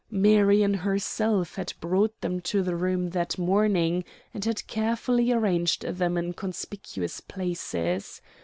Marion herself had brought them to the room that morning, and had carefully arranged them in conspicuous places.